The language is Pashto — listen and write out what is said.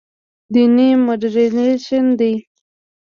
دیني مډرنیزېشن دی.